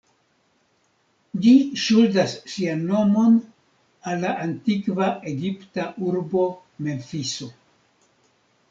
Ĝi ŝuldas sian nomon al la antikva egipta urbo Memfiso.